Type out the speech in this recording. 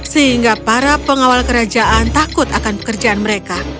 sehingga para pengawal kerajaan takut akan pekerjaan mereka